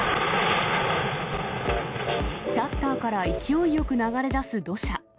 シャッターから勢いよく流れ出す土砂。